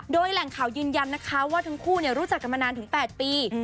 โดยแหล่งข่าวยืนยันนะคะว่าทั้งคู่รู้จักกันมานานถึง๘ปี